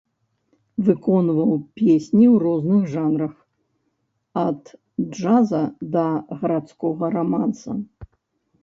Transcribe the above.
Выконваў песні ў розных жанрах ад джаза да гарадскога раманса.